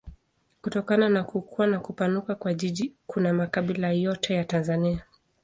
Kutokana na kukua na kupanuka kwa jiji kuna makabila yote ya Tanzania.